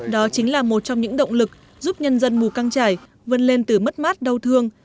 đó chính là một trong những động lực giúp nhân dân mù căng trải vươn lên từ mất mát đau thương